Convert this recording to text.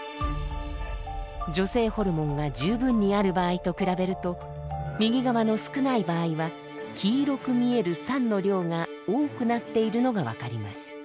女性ホルモンが十分にある場合と比べると右側の少ない場合は黄色く見える酸の量が多くなっているのが分かります。